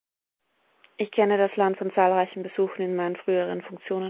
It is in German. Ich kenne das Land von zahlreichen Besuchen in meinen früheren Funktionen.